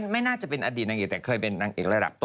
ไม่น่าจะเป็นอดีตนางเอกแต่ขึ้นแล้ว